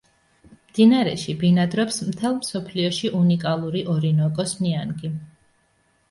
მდინარეში ბინადრობს მთელ მსოფლიოში უნიკალური ორინოკოს ნიანგი.